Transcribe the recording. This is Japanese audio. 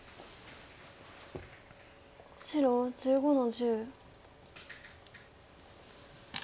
白１５の十。